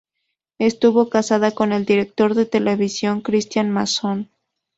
Estuvo casada con el director de televisión Cristián Mason.